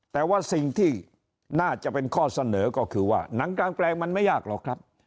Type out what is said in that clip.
แต่ว่าสิ่งที่น่าจะเป็นข้อเสนอก็คือว่าหนังกลางแปลงมันไม่ยากหรอกครับ